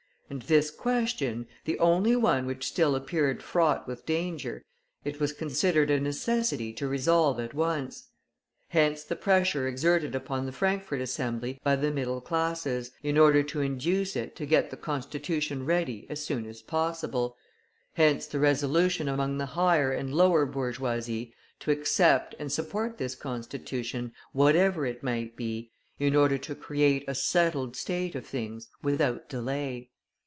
And this question, the only one which still appeared fraught with danger, it was considered a necessity to resolve at once. Hence the pressure exerted upon the Frankfort Assembly by the middle classes, in order to induce it to get the Constitution ready as soon as possible; hence the resolution among the higher and lower bourgeoisie to accept and support this Constitution, whatever it might be, in order to create a settled state of things without delay.